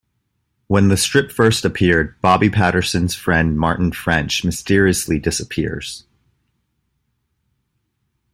When the strip first appeared, Bobby Patterson's friend Martin French mysteriously disappears.